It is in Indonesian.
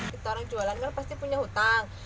kita orang jualan kan pasti punya hutang